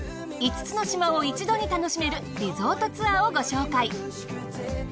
５つの島を一度に楽しめるリゾートツアーをご紹介。